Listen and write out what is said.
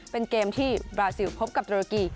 เป็นเกมที่บราซิลพบกับตุรกี